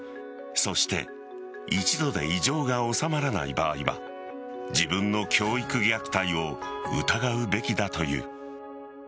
そして一度で異常が収まらない場合は自分の教育虐待を疑うべきだという。